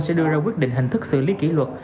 sẽ đưa ra quyết định hình thức xử lý kỷ luật